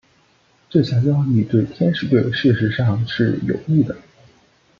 这项交易对天使队事实上是有利的。